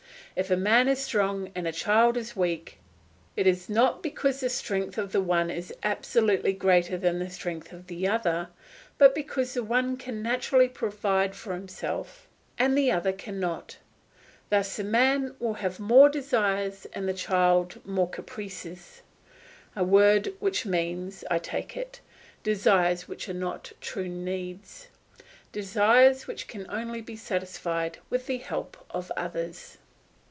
If a man is strong and a child is weak it is not because the strength of the one is absolutely greater than the strength of the other, but because the one can naturally provide for himself and the other cannot. Thus the man will have more desires and the child more caprices, a word which means, I take it, desires which are not true needs, desires which can only be satisfied with the help of others.